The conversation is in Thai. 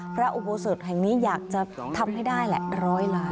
พระอุโบสถแห่งนี้อยากจะทำให้ได้แหละร้อยล้าน